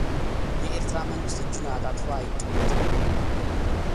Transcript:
የኤርትራ መንግሥት እጁን አጣጥፎ አይቀመጥም።